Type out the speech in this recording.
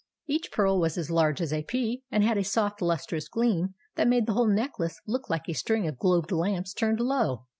Each pearl was as large as a pea, and had a soft lustrous gleam that made the whole necklace look like a string of globed lamps turned low.